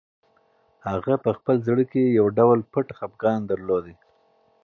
هغه په خپل زړه کې یو ډول پټ خپګان درلود.